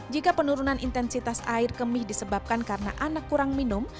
jika penurunan intensitas air kemih disebabkan karena anak kurang minum